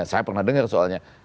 saya pernah dengar soalnya